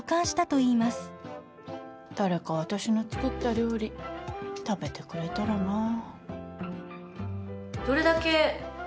誰か私の作った料理食べてくれたらなぁ。